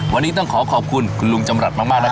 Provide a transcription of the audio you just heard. วันนี้ต้องขอขอบคุณคุณลุงจำรัฐมากนะครับ